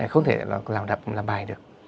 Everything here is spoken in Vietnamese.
không thể làm bài được